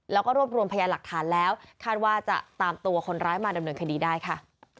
แล้วก็รวบรวมพยานหลักฐานแล้วคาดว่าจะตามตัวคนร้ายมาดำเนินคดีได้ค่ะ